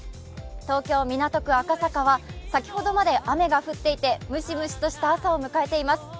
東京・港区赤坂は先ほどまで雨が降っていてムシムシとした朝を迎えています。